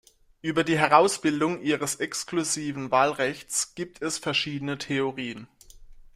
Über die Herausbildung ihres exklusiven Wahlrechts gibt es verschiedene Theorien.